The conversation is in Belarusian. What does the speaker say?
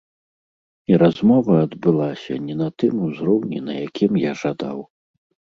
І размова адбылася не на тым узроўні, на якім я жадаў.